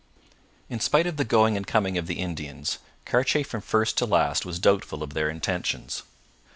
In spite of the going and coming of the Indians, Cartier from first to last was doubtful of their intentions.